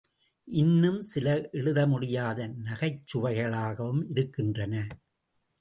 இன்னும் சில எழுத முடியாத நகைச்சுவைகளாகவும் இருக்கின்றன.